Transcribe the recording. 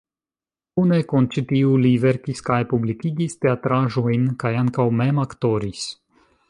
Kune kun ĉi tiu li verkis kaj publikigis teatraĵojn kaj ankaŭ mem aktoris.